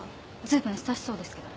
随分親しそうですけど。